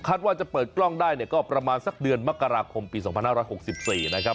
ว่าจะเปิดกล้องได้เนี่ยก็ประมาณสักเดือนมกราคมปี๒๕๖๔นะครับ